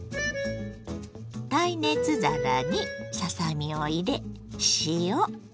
耐熱皿にささ身を入れ塩